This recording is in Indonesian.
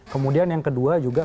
kemudian yang kedua juga